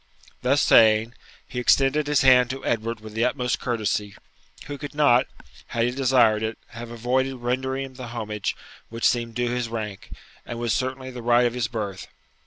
Thus saying, he extended his hand to Edward with the utmost courtesy, who could not, had he desired it, have avoided rendering him the homage which seemed due to his rank, and was certainly the right of his birth.